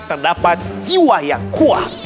terdapat jiwa yang kuat